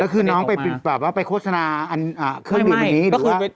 แล้วคือน้องไปโฆษณาเครื่องเดียวแบบนี้หรือว่า